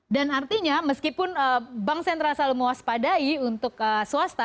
dan artinya meskipun bank sentral selalu muas padai untuk swasta